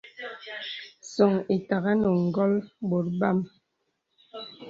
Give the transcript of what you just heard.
Sɔ̄ŋ itāgā nə ngɔ̀l bòt bam.